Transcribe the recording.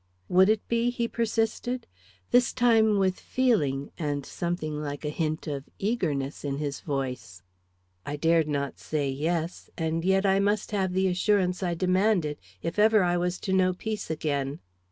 "Would it be?" he persisted, this time with feeling and something like a hint of eagerness in his voice. I dared not say "Yes," and yet I must have the assurance I demanded, if ever I was to know peace again.